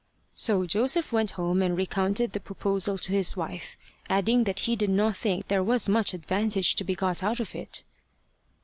So Joseph went home and recounted the proposal to his wife, adding that he did not think there was much advantage to be got out of it.